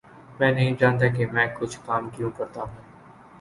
میں نہیں جانتا کہ میں کچھ کام کیوں کرتا ہوں